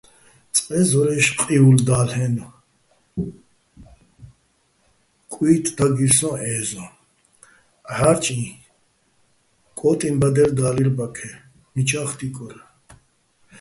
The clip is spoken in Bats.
წყე ზორა́ჲში̆ ყიოლდა́ლ'ენო̆ კუ́ჲტი̆ დაგირ სოჼ ე́ზო, ჺა́რჭიჼ კო́ტიჼბადერ დარ ბაქე, მიჩა́ხ დიკორ.